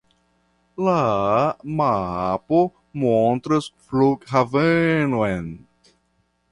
La mapo montras flughavenon.